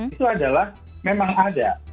itu adalah memang ada